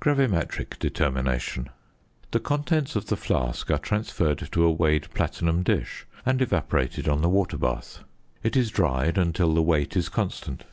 GRAVIMETRIC DETERMINATION. The contents of the flask are transferred to a weighed platinum dish, and evaporated on the water bath. It is dried until the weight is constant.